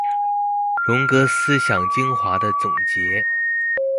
榮格思想精華的總結